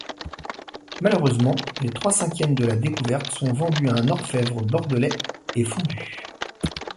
Malheureusement, les trois-cinquièmes de la découverte sont vendus à un orfèvre bordelais et fondus.